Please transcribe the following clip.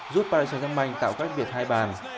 giúp paris saint germain tạo cách biệt hai bàn